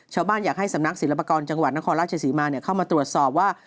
อยากให้สำนักศิลปากรจังหวัดนครราชศรีมาเข้ามาตรวจสอบว่า